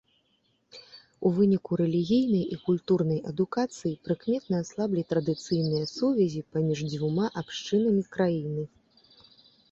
У выніку рэлігійнай і культурнай адукацыі прыкметна аслаблі традыцыйныя сувязі паміж дзвюма абшчынамі краіны.